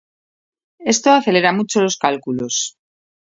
Esto acelera mucho los cálculos.